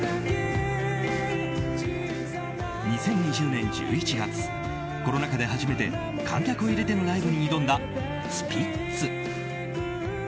２０２０年１１月コロナ禍で初めて観客を入れてのライブに挑んだスピッツ。